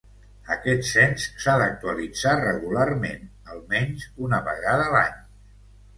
Aquest cens s’ha d’actualitzar regularment, almenys una vegada l’any.